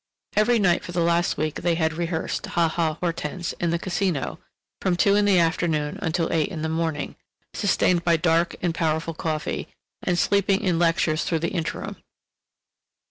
Every night for the last week they had rehearsed "Ha Ha Hortense!" in the Casino, from two in the afternoon until eight in the morning, sustained by dark and powerful coffee, and sleeping in lectures through the interim.